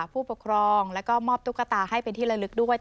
ผู้ปกครองแล้วก็มอบตุ๊กตาให้เป็นที่ละลึกด้วย